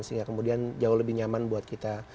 sehingga kemudian jauh lebih nyaman buat kita